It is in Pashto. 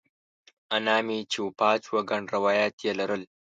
انا مې چې وفات شوه ګڼ روایات یې لرل.